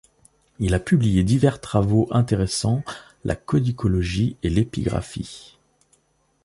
Il a publié divers travaux intéressant la codicologie et l'épigraphie.